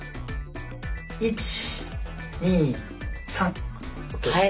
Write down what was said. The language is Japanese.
１２３ＯＫです。